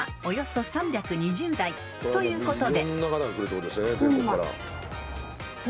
［ということで］